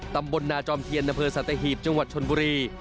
ตำบลนาจอมเทียนนสัตเทฮีบจังหวัดชนบุรี